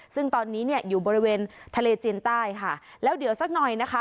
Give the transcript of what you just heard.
ซึ่งตอนนี้เนี่ยอยู่บริเวณทะเลจีนใต้ค่ะแล้วเดี๋ยวสักหน่อยนะคะ